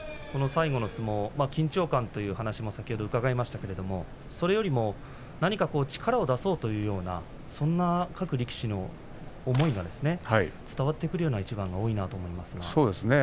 最後の相撲、緊張感という話も先ほど伺いましたけれどもそれよりも何か力を出そうというようなそんな各力士の思いが伝わってくるような一番が多いなと思いますが。